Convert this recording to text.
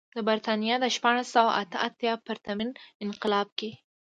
د برېټانیا د شپاړس سوه اته اتیا پرتمین انقلاب کې.